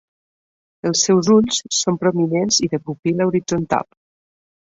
Els seus ulls són prominents i de pupil·la horitzontal.